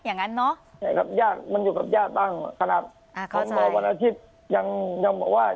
อย่างนั้นเนอะใช่ครับญาติมันอยู่กับญาติบ้างขนาดอ่าเขามาวันอาทิตย์ยังยังบอกว่า